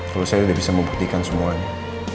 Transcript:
kalau saya sudah bisa membuktikan semuanya